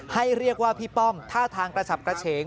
ให้เรียกว่าพี่ป้อมท่าทางกระฉับกระเฉง